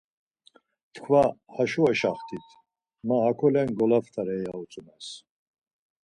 Tkva haşo eşaxtit, ma hakolen golaptare ya utzumes.